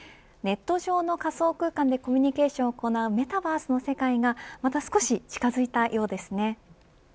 ネット上の仮想空間でコミュニケーションを行うメタバースの世界がまた少し近づいたようですね。